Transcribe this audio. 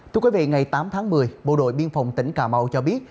thưa quý vị ngày tám tháng một mươi bộ đội biên phòng tỉnh cà mau cho biết